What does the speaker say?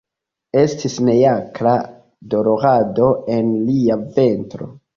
Estis neakra dolorado en lia ventro.